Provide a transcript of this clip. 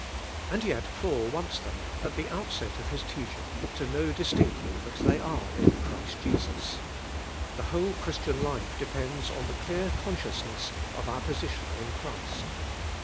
And yet Paul wants them, at the outset of his teach ing, to know distinctly that they are in Christ Jesus. The whole Christian life depends on the clear con sciousness of our position in Christ.